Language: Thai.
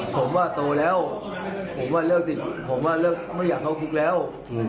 ผมว่าโตแล้วผมว่าเเลิกไม่อยากเอาครุกซุด